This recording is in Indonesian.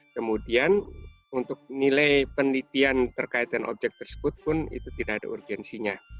kemudian untuk nilai penelitian terkait dengan objek tersebut pun itu tidak ada urgensinya